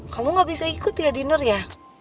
kamu gak bisa ikut ya dinner ya